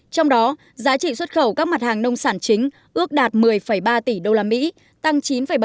trong đó giá trị xuất khẩu các mặt hàng nông sản chính ước đạt một mươi ba tỷ usd tăng chín bảy